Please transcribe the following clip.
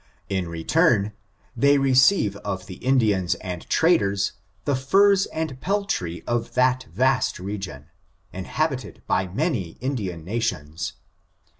In re turn, they receive of the Indians and traders, the furs and peltry of that vast region, inhabited by many Indian nations.